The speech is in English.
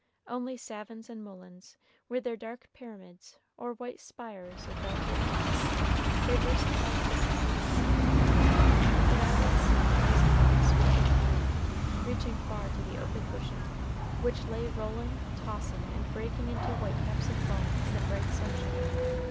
Only savins and mulleins, with their dark pyramids or white spires of velvet leaves, diversified the sandy wayside; but out at sea was a wide sweep of blue, reaching far to the open ocean, which lay rolling, tossing, and breaking into white caps of foam in the bright sunshine.